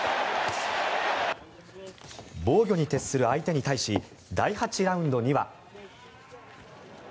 防御に徹する相手に対し第８ラウンドには。